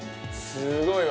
すごいわ。